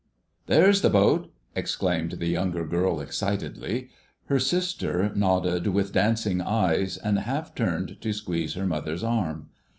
* "There's the boat!" exclaimed the younger girl excitedly. Her sister nodded with dancing eyes, and half turned to squeeze her mother's arm.